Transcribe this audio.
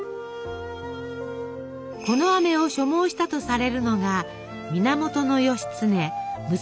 このあめを所望したとされるのが源義経武蔵